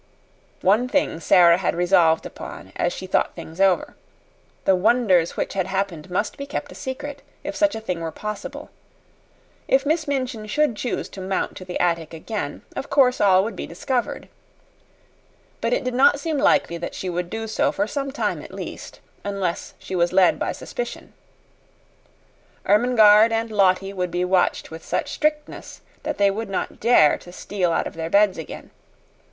One thing Sara had resolved upon, as she thought things over. The wonders which had happened must be kept a secret, if such a thing were possible. If Miss Minchin should choose to mount to the attic again, of course all would be discovered. But it did not seem likely that she would do so for some time at least, unless she was led by suspicion. Ermengarde and Lottie would be watched with such strictness that they would not dare to steal out of their beds again.